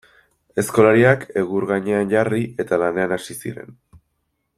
Aizkolariak egur gainean jarri, eta lanean hasi ziren.